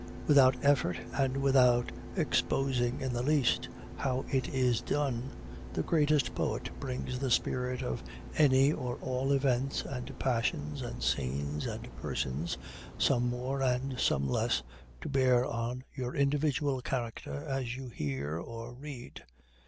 Without effort, and without exposing in the least how it is done, the greatest poet brings the spirit of any or all events and passions and scenes and persons, some more and some less, to bear on your individual character as you hear or read.